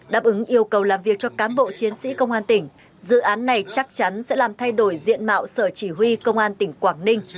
đáp ứng yêu cầu làm việc cho cám bộ chiến sĩ công an tỉnh dự án này chắc chắn sẽ làm thay đổi diện mạo sở chỉ huy công an tỉnh quảng ninh